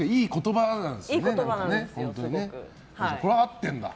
これは当ってるんだ。